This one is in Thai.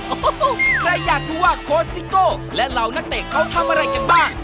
โอ้โหใครอยากรู้ว่าโค้ซิโก้และเหล่านักเตะเขาทำอะไรกันบ้าง